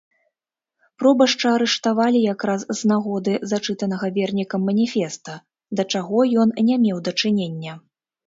Пробашча арыштавалі якраз з нагоды зачытанага вернікам маніфеста, да чаго ён не меў дачынення.